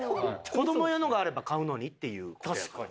子供用のがあれば買うのにっていう事やから。